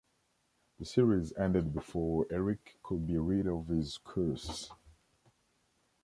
The series ended before Eric could be rid of his curse.